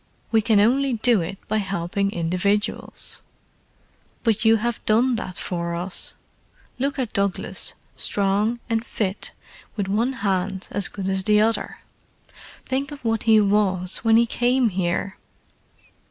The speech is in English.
We can only do it by helping individuals." "But you have done that for us. Look at Douglas—strong and fit, with one hand as good as the other. Think of what he was when he came here!"